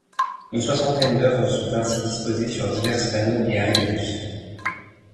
Une soixantaine d'œuvres sont ainsi disposés sur diverses panneaux et arrêts de bus.